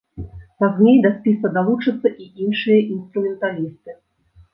Пазней да спіса далучацца і іншыя інструменталісты.